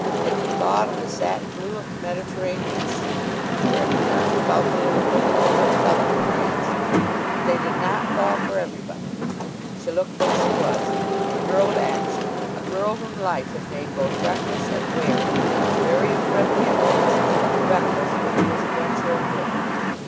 They could thaw to the satin blue of the Mediterranean Sea, where it purrs about the little villages of Southern France; but they did not thaw for everybody. She looked what she was a girl of action; a girl whom life had made both reckless and wary wary of friendly advances, reckless when there was a venture afoot.